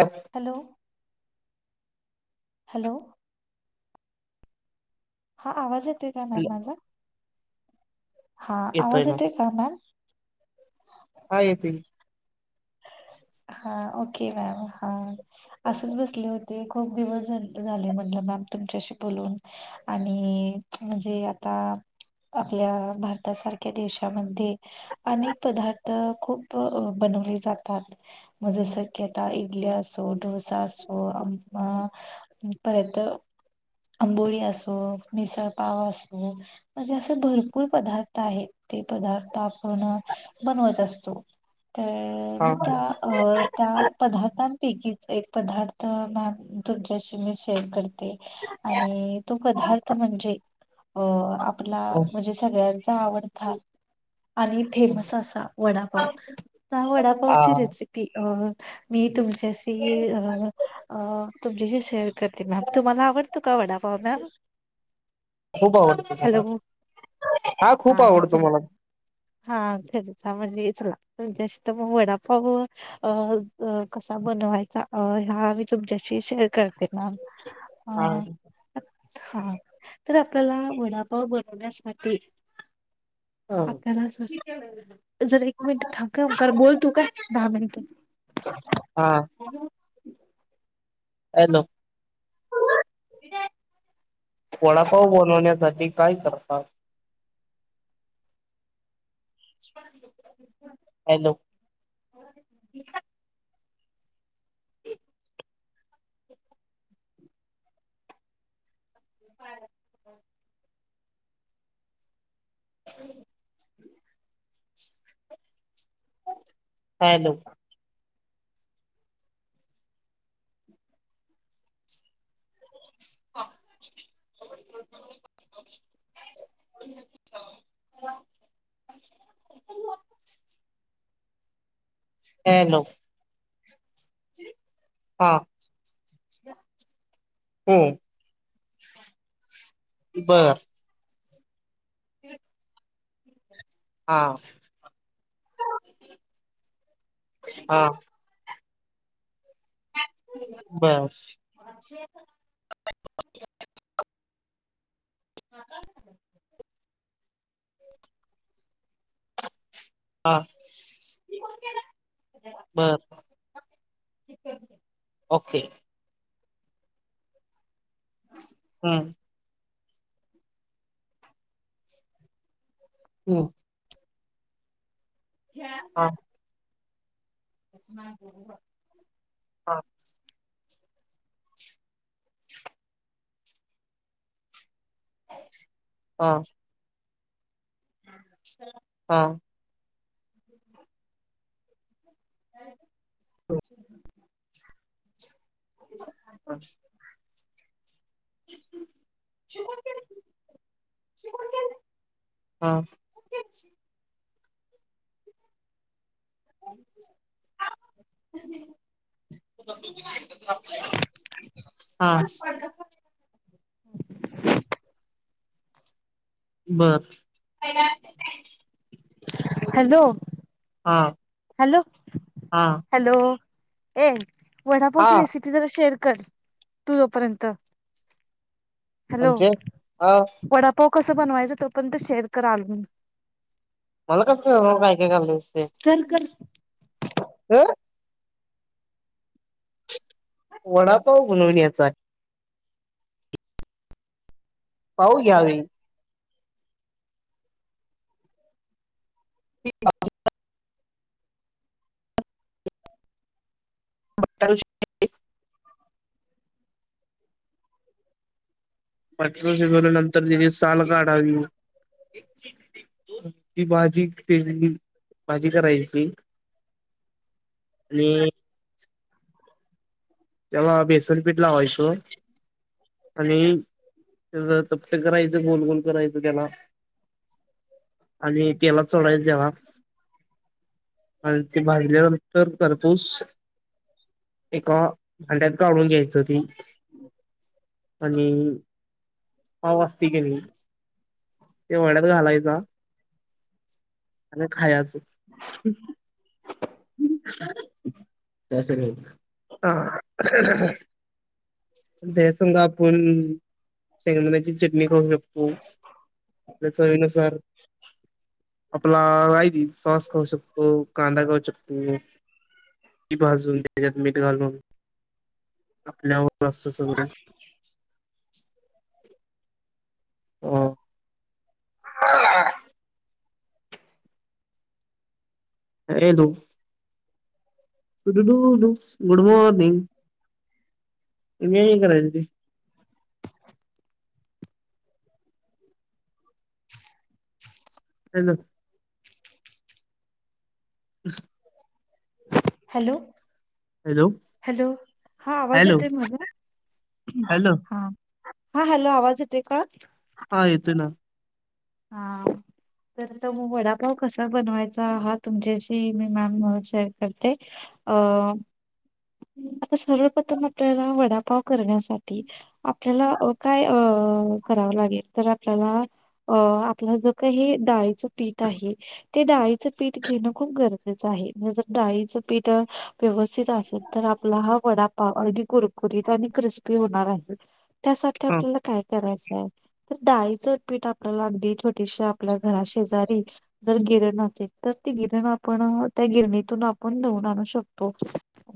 अ [unintelligible] hello hello हा आवाज येतोय का मॅम हॅलो माझा हा येतोय आवाज ना येते का मॅम? हा येते अ हा ओके मॅम हा असच बसले होते खूप दिवस झाले म्हटलं मॅम तुमच्याशी बोलून. आणि म्हणजे आता आपल्या भारतासारखे देशामध्ये अनेक पदार्थ खूप अ बनवले जात खात म जसं कि आता इडली असो डोसा असो अम अ अ परत आंबोळी असो मिसळ पाव असो. म्हणजे असं भरपूर पदार्थ आहेत ते पदार्थ आपण बनवायचा असतो तर हा मग त्या अ त्या पदार्थांपैकीच एक पदार्थ मॅ तुमच्याशी मी शे शेअर करते आणि तो पदार्थ म्हणजे अ आपला हो. म्हणजे स सगळ्यांचा आवडता आणि फेमस असा वडापाव हा वडाप हा रेसिपी मी तुमच्याशी अ अ तुमच्याशी शेअर करते मॅम तुम्हाला आवडतो का वडापाव मॅम? खूप आवडतो मला हॅलो हा खूप आवडतो मला. हा खरच हा म्हणजे चला तुमच्याशी मग वडापाव अ अ कसा बनवायचा अ ह्या मी तुमच्याशी शेअर करते ना. हा. अ क हा तर आपल्याला वडापाव बनवण्यासाठी ह आपल्याला जर जरा एक मिनिट थांब काय ओंकार बोल तू काय‌. दहा मिनटत. हा. हॅलो. हॅलो. दिदे. वडापाव बनवण्यासाठी काय करतात? एक. हॅलो. [unintelligible] [unintelligible] काय झाल? हम्म. [unintelligible] हॅलो. हा. [inaudible] [unintelligible] हॅलो. छी. हा. या. हम्म. बरं. तिजय. हा. शि हा केलं. बर. बात शे का. हा काय झाल असं. हा. हि कोण केलं. [unintelligible] बरं. ठिक कर ते. ओके. [unintelligible] हम्म. हम्म हा [unintelligible] हा [inaudible] हा हा हा चला हा [inaudible] ति नाही ह [inaudible] शी कोण केलंय, शी कोण केलंय? हा तेच [unintelligible] हा बर हॅलो हा हॅलो हा हॅलो ए वडापावची हा रेसिप ती जरा शेअर कर तू तोपर्यंत हॅलो. म्हणजे अ वडापाव कस बनवायचं तोपर्यंत शेअर करा आलो मी. मला कसं कळणार काय काय घालायचं ते? कर कर आ? वडापाव बनवण्यासा पाव घ्यावे मीठ आप रताविषयी पचरा शिकवल्या नंतर लिव्हींग साल काढावी. ती भाजी तेल घेऊन भाजी करायची. आणि त्याला बेसन पीठ लावायचो आणि त्याला जरा चपट करायचं गोल गोल करायचं त्याला आणि तेलात सोडायचं जेव्हा आणि ते भाजल्यावर तर करपूस. एका भांड्यात काढून घ्यायचं कि ते आणि पाव असतंय की नई ते वड्यात घालायचा आणि खायाच. त्याश रे हा [unintelligible] दह्या संग आपण शेंगदाण्याची चटणी खाऊ शकतो. पल्या चवीनुसार आपलाहिती सॉस खाऊ शकतो कांदा खाऊ शक क ते बाजून मीठ घालून आपल्यावर असत सगळं [unintelligible] ह अ.. हाय हे धूप तुटू डू डू गुड मॉर्निंग तू नाय करायच ते. [inaudible] [inaudible] हॅलो हम्म हॅलो हॅलो हॅलो हा आवाज हॅलो येतोय माझा हॅलो हॅलो हा हा हॅलो आवाज येतोय का? हा येतोय ना हा तर मग वडापाव कसा बनवायचा हा तुमच्याशी मी मॅम शेअर करते. अ.. तर सर्वप्रथम आपल्याला वडापाव करण्यासाठी आपल्याला काय अ करावं लागेल तर आपल्याला अ आपला जो काही हे डाळीचं पीठ आहे. ते डाळीचं पीठ घेणं खूप गरजेचं आहे नाही जर डाळीचं पीठ. व्यवस्थित असेल तर आपला हा वडापाव अगदी कुरकुरीत आणि क्रिस्पी होणार आहे. त्यासाठी हा आपल्याला काय करायचं आहे? तर डाळी च पीठ आपल्याला अगदी छोटीशी आपल्या घरा शेजारीच जर गिरण असेल तर ती गिरण आपण त्या गिरणीतून आपण दळून आणू शकतो.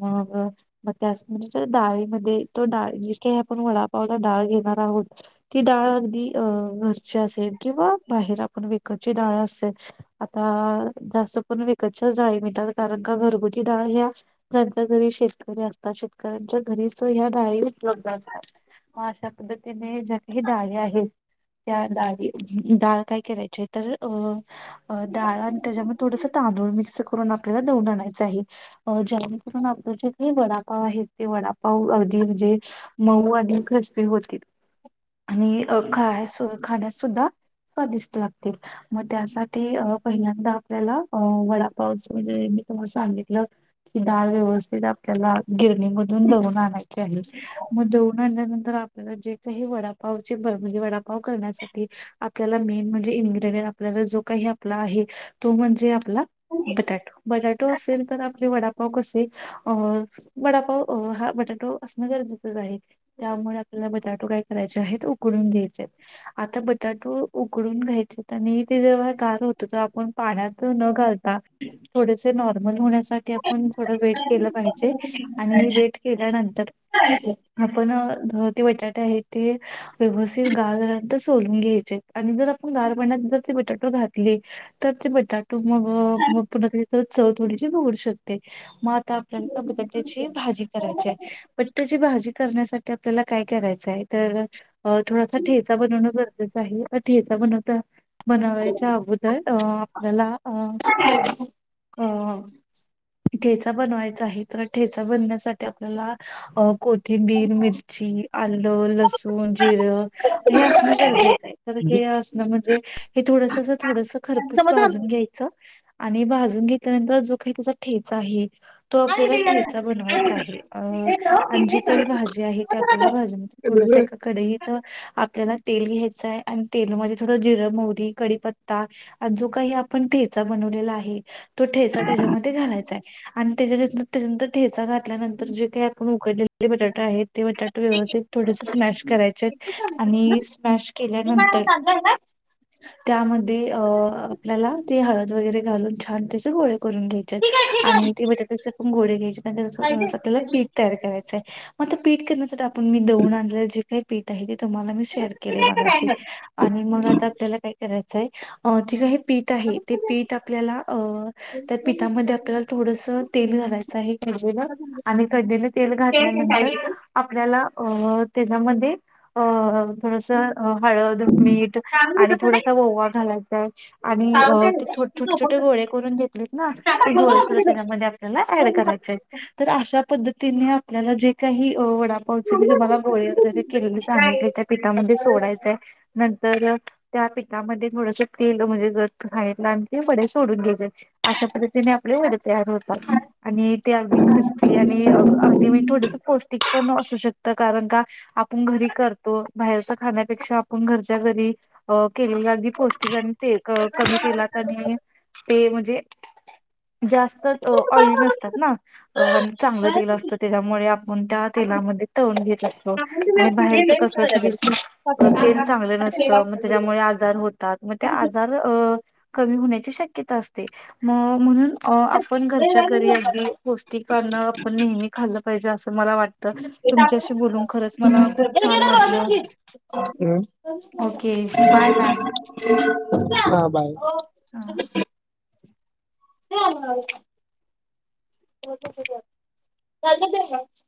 मग मग त्याच म्हणजे डाळीमध्ये तो डाळी जे काही आपण वडापावला डाळ घेणार आहोत. ती डाळ अगदी अ घरची असेल किंवा बाहेर आपण वेिकतची डाळ असेल. आता जास्त करून विकतच्याच डाळी मिळतात कारण का घरगुती डाळ ह्या ज्यांच्या घरी शेतकरी असतात. शेतकऱ्यांच्या घरीच ह्या डाळी उपलब्ध असतात. मग अश्या पद्धतीने ज्या काही डाळ आहेत. त्या डाळी डाळ काय करायची आहेत. तर अ डाळ आणि त्याच्यामध्ये थोडस तांदूळ मिक्स करून आप आपल्याला धुण आणायचं आहे जेणेकरून आपलं जे हे वडापाव आहेत ते वडापाव अगदी म्हणजे मऊ आणि क्रिस्पी होतील. आणि खा खाण्यास सुद्धा स्वादिष्ट लागते. मग त्यासाठी पहिल्यांदा आपल्याला अ वडापावच म्हणजे तुम्ही सांगितलं की डाळ व्यवस्थित आपल्याला गिरणीमधून दळून आणायची आहे. मग दळून आणल्यानंतर आपल्याला जे काही वडापावचे म्हणजे [unintelligible] वडापाव करण्याचा प्रयत्न आपल्याला मेन म्हणजे इनग्रेडियं आपल्याला जो काही आपला आहे तो म्हणजे आपला बटाटो बटाटो असेल तर आपले वडापाव कसे. अ वडापाव हा बटाटो असणं गरजेचंच आहे त्यामुळे आपल्याला बटाटो काय करायचे आहे ते उकडून द्यायचे आहेत. आता बटाटू उकडून घ्यायचे आणि ते जेव्हा गार होत ते आपण पाण्यात न घालतो थोडेसे नॉर्मल होण्यासाठी आपण थोड वेळ केलं पाहिजे आणि वेट केल्यानंतर आपण ते [unintelligible] बटाटे आहे ते व्यवस्थित गार झाल्यानंतर सोलून घ्यायचे आणि जर आपण गार पाण्यात जर ते बटाट घातले. तर ते बटाटू मग पुन्हा चव थोडीशी बिघडू शकते मग आता आपल्या बटाट्याची भाजी करायची आहे. बटाटयाची भाजी करण्यासाठी आपल्याला काय करायचंय तर? अ थोडासा ठेचा बनवणं गरजेचं आहे ठेचा बनवता बनवायच्या अगोदर अ आपल्याला अ अ ठेचा बनवायचा आहे तर ठेचा बनवण्यासाठी आपल्याला अ कोथिंबीर, मिरची, आलं, लसूण, जिरं हे असणं गरजेचं आहे. दि हे असण म्हणजे हे थोडस थोडस खरपूस भाजून घ्यायच. आणि भाजून घेतल्यानंतर जो काही त्याचा ठेचा आहे. तो आपल्याला ठेचा बनवायचा आहे अ आणि जी काही भाजी आहे ते आपल्याला भाजीमध्ये थोडंस समज एकाकडे. त आपल्याला तेल घ्यायचं आहे आणि तेलमध्ये थोडं जिरं, मोहरी, कडीपत्ता. आणि जो काही आपण ठेचा बनवलेला आहे तो ठेचा त्याच्यामध्ये घालायचा आहे. आणि त्याच्यार त्याच्यानंतर ठेचा घातल्यानंतर जे काही आपण उकडलेले बटाटे आहेत ते बटाटे व्यवस्थित थोडेसे ठीक स्मॅश करायचे आहेत आणि स्मॅश केल्यानंतर सज का? त्यामध्ये अ आपल्याला ते हळद वगैरे घालून छान त्याचे गोळे करून घ्यायचेत. आहे ठीक आणि आहे ते बटाटेिक आपण गोडे घ्यायचे पाहिजे आपल्याला पीठ तयार करायचंय. मग आता पीठ करण्यासाठी आपण मी दवून आणलेलं जे काही पीठ आहे ते तुम्हाला मी शेअर केलेय मागाशी आणि मग आता आपल्याला काय करायचंय अ तेि का हे पीठ आहे ते पीठ आपल्याला अ. त्या पिठामध्ये आपल्याला थोडस तेल घालायचं आहे खलेलं आणि ख तेल घातल्यानंतर आपल्याला अ त्याच्यामध्ये अ थोडस हळद मीठ. चांगली आणि तसं नाही थोडसा ववा घालायचय. आणि अ ते छोटे छोटे गोळे करून घेतलेत ना ते गोळे. त्याच्यामध्ये आपल्याला ॲड कराय अशा पद्तीने आपल्याला जे काही वडापावचे मी तुम्हाला गोळी वगैरे केलेली सांगितले. पिकामध्ये सोडायचंय नंतर त्या पठामध्ये थोडस तेल म्हणजे ज खायितलं आणि ते बडे सोडून घ्यायचे अशा पद्ध तिने आपले वडे तयार होतात आणि ते अगदी ख्रिस्पी आणि अगदी मी थोडस पौष्टिक. पण असू शकत कारण का? आपण घरी करतो बाहेरच खाण्यापेक्षा आपण घरच्या घरी. अ केली लागी पौष्टिका आणि तेल कमी तेलात आणि ते म्हणजे जास्त अ ऑइली नसतात ना. अ आणि चांगलं तेल असतं त्याच्यामुळे आपण त्या तेलामध्ये तळून घेत शकतो. आणि बाहेरच कसलं खरी तेल चांगलं नसतं मग त्याच्यामुळे आजार होतात मग ते तुम्ही आज जार अ कमी होण्याची शकत असते म्हणून अ आपण घरच्या घरी हम्म अगदी पौष्टिकनं आपण नेहमी खाल्लं पाहिजे असं मला वाटत. हम्म. खूप छान वाटलं ओके बाय बाा बाय. मॅम हा ह. हो झालं ते मग